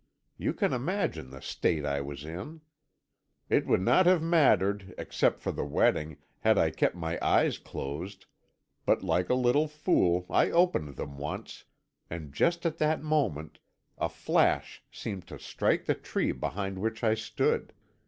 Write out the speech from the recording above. You can imagine the state I was in. It would not have mattered, except for the wetting, had I kept my eyes closed, but like a little fool, I opened them once, and just at that moment a flash seemed to strike the tree behind which I stood.